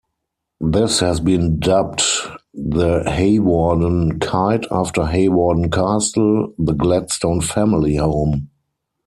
This has been dubbed the Hawarden Kite after Hawarden Castle, the Gladstone family home.